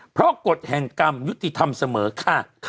เพราะกฎแห่งกรรมยุติธรรมเสมอค่ะ